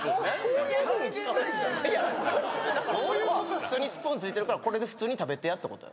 普通にスプーンついてるから、これで普通に食べてやってことや。